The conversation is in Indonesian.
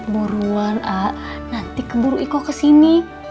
buruan a nanti keburu ikut kesini